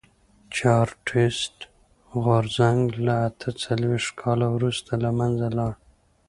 چارټېست غورځنګ له اته څلوېښت کال وروسته له منځه لاړ.